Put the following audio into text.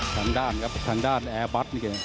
ครั้งด้านแอร์บัส